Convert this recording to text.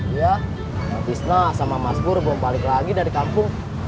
dia pisna sama mas bur belum balik lagi dari kampung